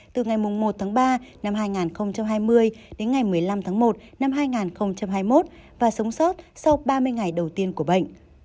từ ngày một ba hai nghìn hai mươi đến ngày một mươi năm một hai nghìn hai mươi một và sống sót sau ba mươi ngày đầu tiên của bệnh